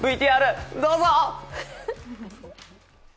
ＶＴＲどうぞ！